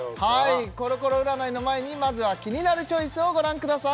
コロコロ占いの前にまずはキニナルチョイスをご覧ください